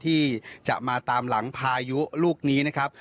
ที่จะมาตามหลังพายุลูกนี้นะครับ